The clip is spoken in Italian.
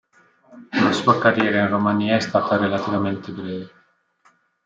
La sua carriera in Romania è stata relativamente breve.